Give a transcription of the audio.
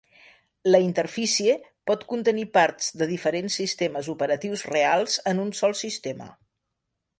La interfície pot contenir parts de diferents sistemes operatius reals en un sol sistema.